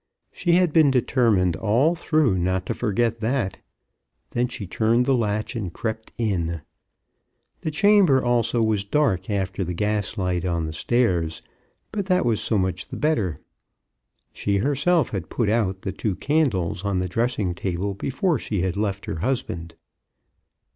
She had been determined all through not to forget that. Then she turned the latch and crept in. The chamber also was dark after the gaslight on the stairs, but that was so much the better. She herself had put out the two candles on the dressing table before she had left her husband.